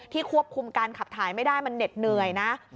ควบคุมการขับถ่ายไม่ได้มันเหน็ดเหนื่อยนะ